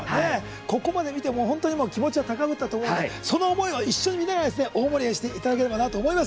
ここまで見て、気持ちが高ぶったと思うのでその思いを一緒に見ながら大盛り上がりしていただければと思います。